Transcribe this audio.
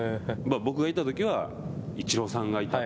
僕がいたときはイチローさんがいたり。